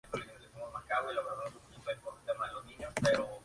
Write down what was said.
Entertainment y Walt Disney.